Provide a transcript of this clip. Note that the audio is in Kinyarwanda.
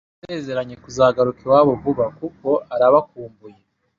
Yasezeranye kuzagaruka iwabo vuba kuko arabakumbuye.